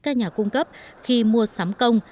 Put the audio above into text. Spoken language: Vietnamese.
các nhà cung cấp khi mua sắm công